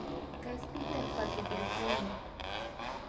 Kaspita pakirikunmi